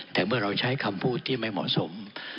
แต่เมื่อเราใช้คำพูดที่ไม่เหมาะสม